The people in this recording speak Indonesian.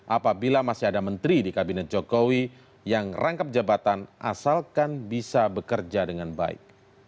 apabila masih ada menteri di kabinet jokowi yang rangkap jabatan asalkan bisa bekerja dengan baik